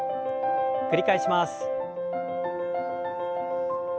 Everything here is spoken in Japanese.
繰り返します。